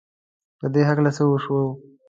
په دې هلک څه وشوو؟!